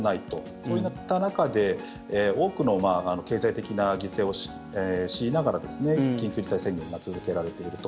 そういった中で多くの経済的な犠牲を強いながら緊急事態宣言が続けられていると。